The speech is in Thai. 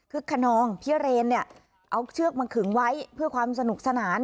คนนองพี่เรนเนี่ยเอาเชือกมาขึงไว้เพื่อความสนุกสนาน